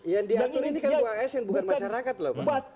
yang diatur ini kan dua asn bukan masyarakat